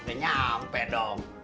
ya udah nyampe dong